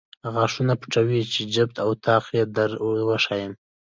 غاښونه پټوې چې جفت او طاق یې در وښایم.